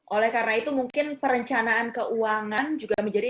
oleh karena itu mungkin perencanaan keuangan juga menjadi